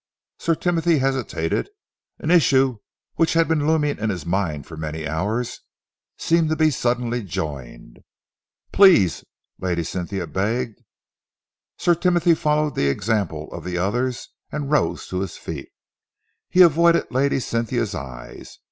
Sir Timothy hesitated. An issue which had been looming in his mind for many hours seemed to be suddenly joined. "Please!" Lady Cynthia begged. Sir Timothy followed the example of the others and rose to his feet. He avoided Lady Cynthia's eyes.